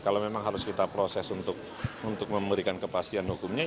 kalau memang harus kita proses untuk memberikan kepastian hukumnya